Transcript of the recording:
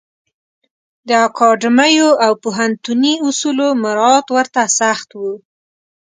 د اکاډمیو او پوهنتوني اصولو مرعات ورته سخت و.